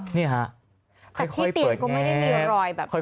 แต่ที่ตีนก็ไม่ได้มีรอย